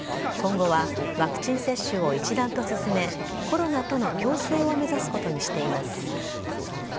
今後はワクチン接種を一段と進め、コロナとの共生を目指すことにしています。